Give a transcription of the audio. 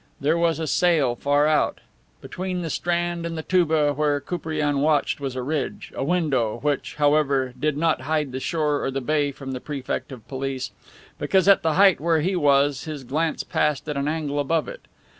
There was a sail far out. Between the strand and the touba where Koupriane watched, was a ridge, a window, which, however, did not hide the shore or the bay from the prefect of police, because at the height where he was his glance passed at an angle above it.